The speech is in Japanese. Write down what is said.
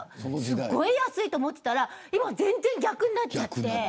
すごい安いと思っていたら今は全然逆になっちゃって。